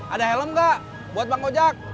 ada helm gak buat bang kojak